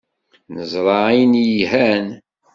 Neẓra ayen yelhan.